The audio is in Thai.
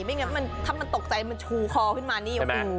ไม่งั้นถ้ามันตกใจมันชูคอขึ้นมานี่โอ้โห